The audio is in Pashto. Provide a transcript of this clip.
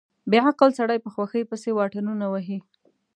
بې عقل سړی په خوښۍ پسې واټنونه وهي.